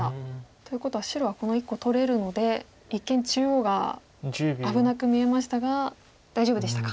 ということは白はこの１個取れるので一見中央が危なく見えましたが大丈夫でしたか。